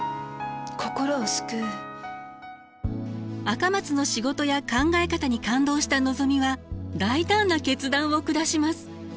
赤松の仕事や考え方に感動したのぞみは大胆な決断を下します。